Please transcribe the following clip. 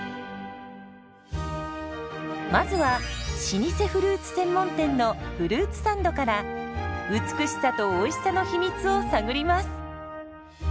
まずは老舗フルーツ専門店のフルーツサンドから美しさとおいしさの秘密を探ります。